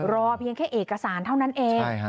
รอเพียงแค่เอกสารเท่านั้นเอง